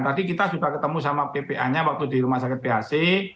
tadi kita sudah ketemu sama ppa nya waktu di rumah sakit bac